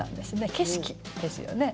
景色ですよね。